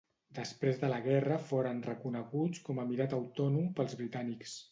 Després de la guerra foren reconeguts com a emirat autònom pels britànics.